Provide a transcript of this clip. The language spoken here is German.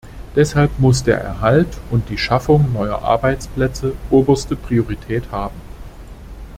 Deshalb muss der Erhalt und die Schaffung neuer Arbeitsplätze oberste Priorität haben.